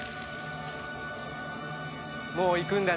もう行くんだね。